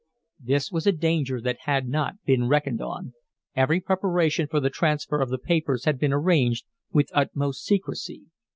This was a danger that had not been reckoned on. Every preparation for the transfer of the papers had been arranged with utmost secrecy.